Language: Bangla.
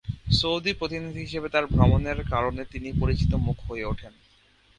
সৌদি প্রতিনিধি হিসেবে তার ভ্রমণের কারণে তিনি পরিচিত মুখ হয়ে উঠেন।